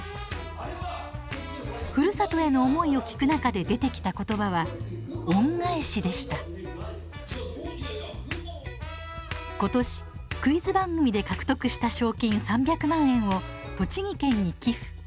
ふるさとへの思いを聞く中で出てきた言葉は「恩返し」でした今年クイズ番組で獲得した賞金３００万円を栃木県に寄付。